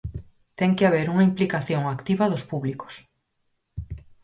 Ten que haber unha implicación activa dos públicos.